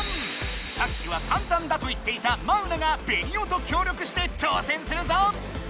さっきは簡単だと言っていたマウナがベニオと協力してちょうせんするぞ！